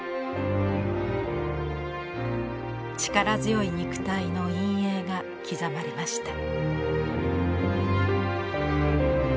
力強い肉体の陰影が刻まれました。